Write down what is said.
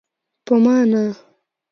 په ما نه.